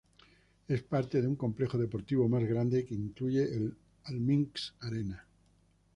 Es parte de un complejo deportivo más grande que incluye al Minsk-Arena.